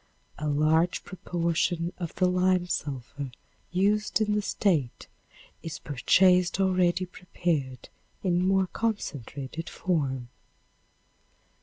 A large proportion of the lime sulphur used in the State is purchased already prepared in more concentrated form.